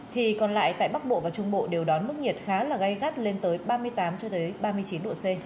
thì còn lại tại bắc bộ và trung bộ đều đón mức nhiệt khá là gây gắt lên tới ba mươi tám cho đến ba mươi chín độ c